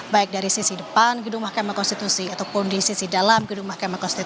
baik dari sisi depan gedung mk ataupun di sisi dalam gedung mk